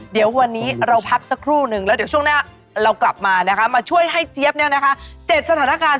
เดี๋ยววันนี้เราพักสักครู่นึงแล้วเดี๋ยวช่วงหน้าเรากลับมานะคะมาช่วยให้เจี๊ยบ๗สถานการณ์